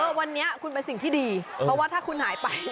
วันนี้คุณเป็นสิ่งที่ดีเพราะว่าถ้าคุณหายไป